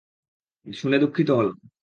শুনে দুঃখিত হলাম।